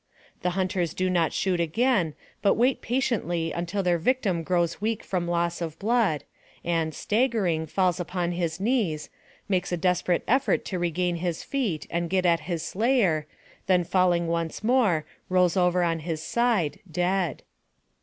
The hunters do not shoot again, but wait patiently until their victim grows weak from loss of blood, and, staggering, falls upon his knees, makes a desperate ef fort to regain his feet, and get at his slayer, then fall ing once more, rolls over on his side, dead.